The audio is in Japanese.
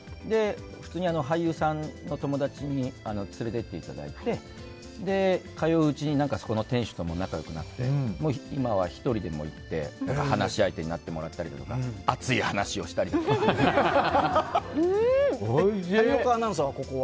普通に俳優さんの友達に連れて行っていただいて通ううちにそこの店主とも仲良くなって今は１人でも行って話し相手になってもらったり谷岡アナウンサーはここは？